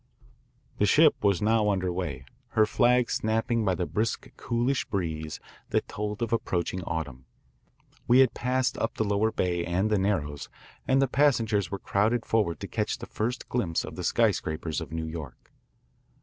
The ship was now under way, her flags snapping in the brisk coolish breeze that told of approaching autumn. We had passed up the lower bay and the Narrows, and the passengers were crowded forward to catch the first glimpse of the skyscrapers of New York.